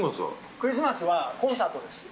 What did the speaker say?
クリスマスはコンサートです。